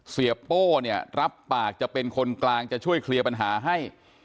โป้เนี่ยรับปากจะเป็นคนกลางจะช่วยเคลียร์ปัญหาให้